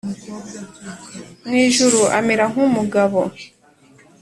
mu ijuru amera nk’umugabo